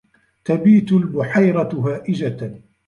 تَبِيتُ الْبُحَيْرَةُ هَائِجَةً.